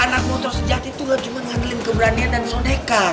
anak motor sejati tuh cuma ngambilin keberanian dan sonekan